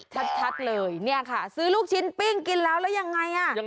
ชัดเลยเนี่ยค่ะซื้อลูกชิ้นปิ้งกินแล้วแล้วยังไงอ่ะ